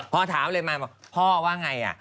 พอถามเลยมาพ่อว่าไง